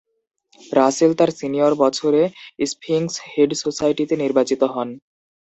রাসেল তার সিনিয়র বছরে Sphinx head সোসাইটিতে নির্বাচিত হন।